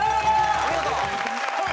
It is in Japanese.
お見事。